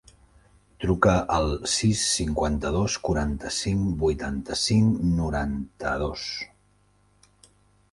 Truca al sis, cinquanta-dos, quaranta-cinc, vuitanta-cinc, noranta-dos.